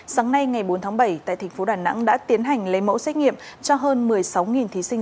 sáng nay ngày bốn tháng bảy tại thành phố đà nẵng đã tiến hành lấy mẫu xét nghiệm cho hơn một mươi sáu thí sinh